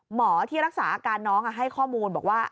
หมอที่รักษาอาการน้องให้ข้อมูลบอกว่า